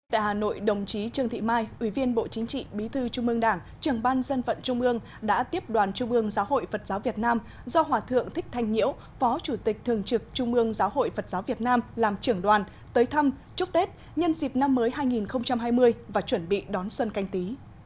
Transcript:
tại hà nội đồng chí trương thị mai ủy viên bộ chính trị bí thư trung ương đảng trường ban dân vận trung ương đã tiếp đoàn trung ương giáo hội phật giáo việt nam do hòa thượng thích thanh nhiễu phó chủ tịch thường trực trung ương giáo hội phật giáo việt nam làm trưởng đoàn tới thăm chúc tết nhân dịp năm mới hai nghìn hai mươi và chuẩn bị đón xuân canh tí